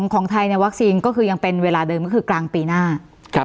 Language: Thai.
ของไทยในวัคซีนก็คือยังเป็นเวลาเดิมก็คือกลางปีหน้า